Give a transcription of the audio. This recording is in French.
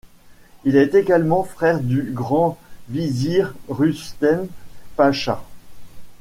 Il est également frère du Grand Vizir Rüstem Pacha.